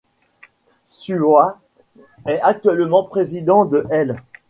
Suwa est actuellement président de l'.